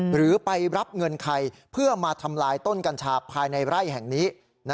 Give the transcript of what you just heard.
หรือไปรับเงินใครเพื่อมาทำลายต้นกัญชาภายในไร่แห่งนี้